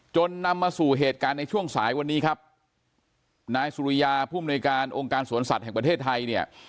นำมาสู่เหตุการณ์ในช่วงสายวันนี้ครับนายสุริยาผู้มนุยการองค์การสวนสัตว์แห่งประเทศไทยเนี่ย